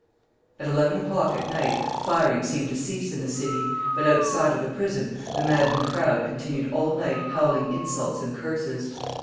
At eleven o'clock at night, firing seemed to cease in the city, but outside of the prison the maddened crowd continued all night howling insults and curses.